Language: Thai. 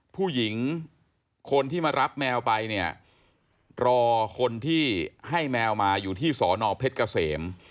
ผู้หญิงคนที่มารับแมวไปเนี่ยรอคนที่ให้แมวมาอยู่ที่สอนอเพชรเกษม